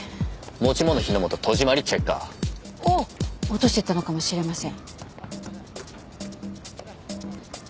持ち物火の元戸締りチェッカー。を落としていったのかもしれません。